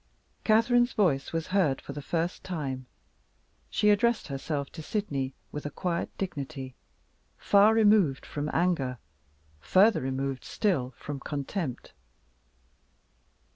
Catherine's voice was heard for the first time. She addressed herself to Sydney with a quiet dignity far removed from anger, further removed still from contempt.